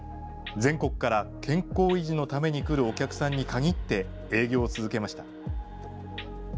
全国から健康維持のために来るお客さんに限って営業を続けました。